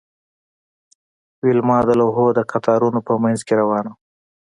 ویلما د لوحو د قطارونو په مینځ کې روانه وه